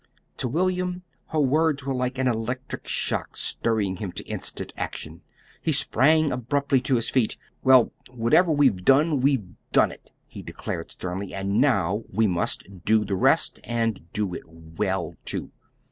To William her words were like an electric shock stirring him to instant action. He sprang abruptly to his feet. "Well, whatever we've done, we've done it," he declared sternly; "and now we must do the rest and do it well, too.